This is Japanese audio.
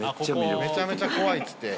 めちゃめちゃ怖いっつって。